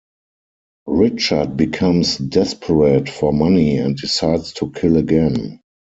Richard becomes desperate for money and decides to kill again.